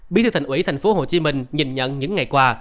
bí thư thành ủy tp hcm nhìn nhận những ngày qua